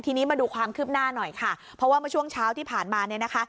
ทีนี้มาดูความคืบหน้าหน่อยค่ะเพราะว่าเมื่อช่วงเช้าที่ผ่านมาเนี่ยนะคะ